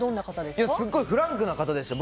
すごいフランクな方でした。